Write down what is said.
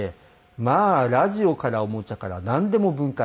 まあラジオからおもちゃからなんでも分解。